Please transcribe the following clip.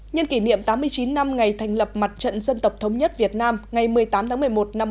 nhân kỷ niệm tám mươi chín năm ngày thành lập mặt trận dân tộc thống nhất việt nam ngày một mươi tám tháng một mươi một năm một nghìn chín trăm bốn